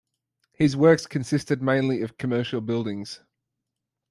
His works consisted mainly of commercial buildings.